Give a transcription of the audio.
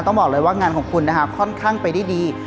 ต้องบอกเลยว่างานของคุณนะคะค่อนข้างไปได้ดี